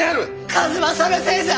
数正のせいじゃ！